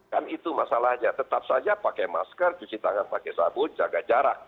kan itu masalahnya tetap saja pakai masker cuci tangan pakai sabun jaga jarak